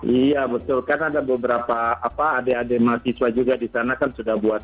iya betul kan ada beberapa adik adik mahasiswa juga di sana kan sudah buat